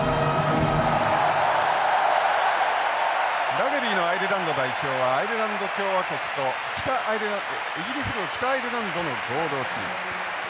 ラグビーのアイルランド代表はアイルランド共和国とイギリス領北アイルランドの合同チーム。